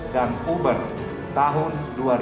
dan uber tahun dua ribu dua puluh satu